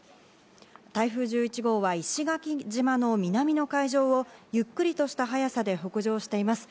台風１１号は、石垣島の南の海上をゆっくりとした速さで北上しています。